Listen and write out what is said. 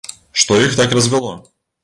Што іх так развяло?